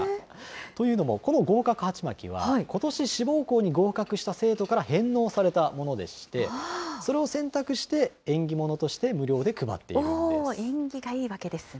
というのも、この合格はちまきは、ことし、志望校に合格した生徒から返納されたものでして、それを洗濯して縁起物として無料で配っ縁起がいいわけですね。